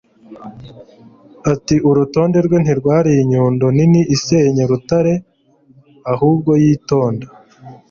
ati urukundo rwe ntirwari inyundo nini isenya urutare, ahubwo yitonda